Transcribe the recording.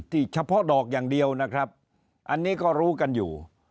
เฉพาะดอกอย่างเดียวนะครับอันนี้ก็รู้กันอยู่